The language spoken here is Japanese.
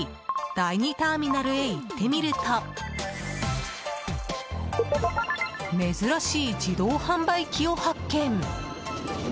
第２ターミナルへ行ってみると珍しい自動販売機を発見。